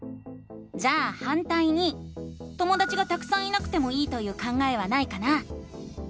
じゃあ「反対に」ともだちがたくさんいなくてもいいという考えはないかな？